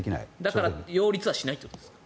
だから擁立はしないということですか？